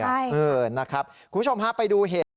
คุณผู้ชมฮะไปดูเหตุ